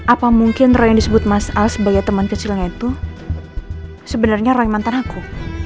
apa mungkin roh yang disebut mas al sebagai teman kecilnya itu sebenarnya roy mantan aku